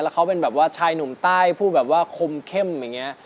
เขาเป็นแบบว่าชายหนุ่มใต้พูดแบบว่าคมเข้มอย่างนี้